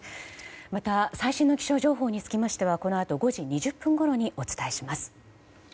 また、最新の気象情報につきましてはこのあと５時２０分ごろお伝えします。